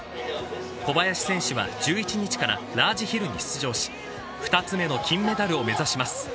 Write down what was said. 小林選手は１１日からラージヒルに出場し、２つ目の金メダルを目指します。